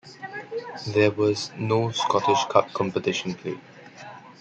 There was no Scottish Cup competition played.